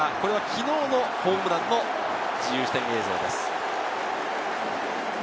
昨日のホームランの自由視点映像です。